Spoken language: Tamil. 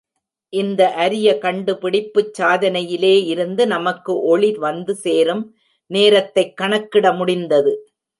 இந்த அரிய கண்டுபிடிப்புச் சாதனையிலே இருந்து நமக்கு ஒளி வந்து சேரும் நேரத்தைக் கணக்கிட முடிந்தது.